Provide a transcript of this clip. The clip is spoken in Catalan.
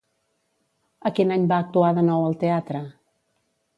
A quin any va actuar de nou al teatre?